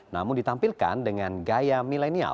namun ditampilkan dengan gaya milenial